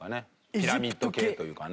ピラミッド系というかね。